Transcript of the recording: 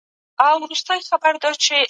د شپې لخوا کيسې لوستل خوند کوي.